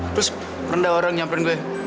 terus rendah orang nyamperin gue